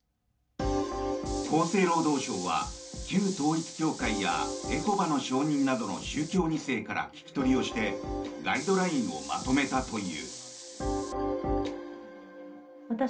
厚生労働省は旧統一教会やエホバの証人などの宗教２世から聞き取りをしてガイドラインをまとめたという。